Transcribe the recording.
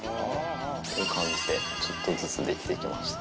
こういう感じでちょっとずつできてきました。